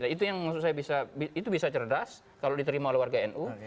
itu yang maksud saya itu bisa cerdas kalau diterima oleh warga nu